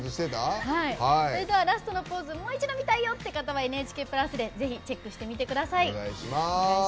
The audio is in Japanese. ラストのポーズをもう一度見たいよって方は「ＮＨＫプラス」でぜひ、チェックしてみてください。